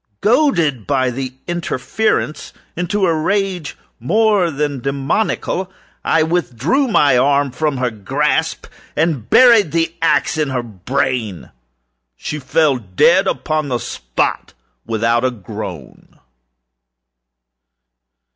Goaded, by the interference, into a rage more than demoniacal, I withdrew my arm from her grasp and buried the axe in her brain. She fell dead upon the spot, without a groan.